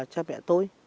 cha mẹ tôi